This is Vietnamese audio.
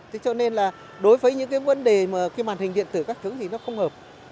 thế cho nên là đối với những cái vấn đề mà cái màn hình điện tử các thứ thì nó không hợp